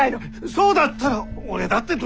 そうだったら俺だってどんだけ。